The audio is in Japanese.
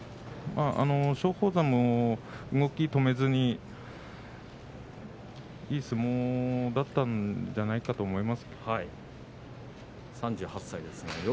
松鳳山も動きを止めずにいい相撲だったんじゃないかと思いますね。